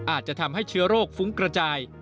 อาจจะทำให้เชื้อโรคฟุ้งกระจาย